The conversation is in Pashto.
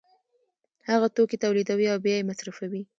هغه توکي تولیدوي او بیا یې مصرفوي